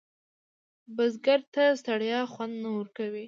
بزګر ته ستړیا خوند نه ورکوي